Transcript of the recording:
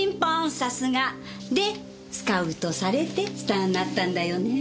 さすが！でスカウトされてスターになったんだよねぇ。